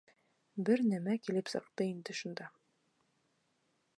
Бер нәмә килеп сыҡты инде шунда...